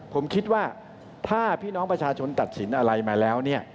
ผมคิดว่าถ้าพี่น้องประชาชนตัดสินอะไรมาแล้วเนี่ย